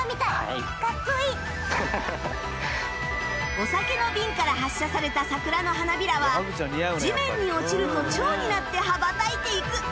お酒の瓶から発射された桜の花びらは地面に落ちると蝶になって羽ばたいていく